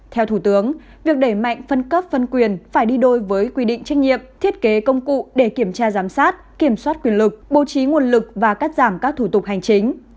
theo thủ tướng việc đẩy mạnh phân cấp phân quyền phải đi đôi với quy định trách nhiệm thiết kế công cụ để kiểm tra giám sát kiểm soát quyền lực bố trí nguồn lực và cắt giảm các thủ tục hành chính